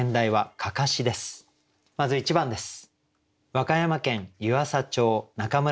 まず１番です。